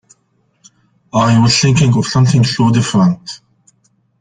I was thinking of something so different!.